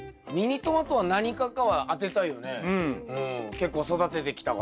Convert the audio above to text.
結構育ててきたから。